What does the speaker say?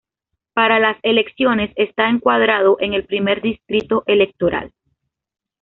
Para las elecciones está encuadrado en el Primer Distrito Electoral.